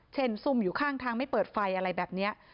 ซุ่มอยู่ข้างทางไม่เปิดไฟอะไรแบบนี้